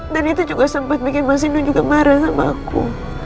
dan itu juga sempat bikin mas nino juga marah sama aku